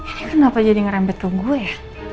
ini kenapa jadi ngerempet ke gue ya